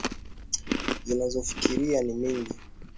Zinazokufikiria ni mingi.